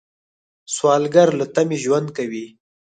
سوالګر له تمې ژوند کوي